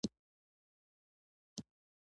او له هغه څخه یې هیله وکړه.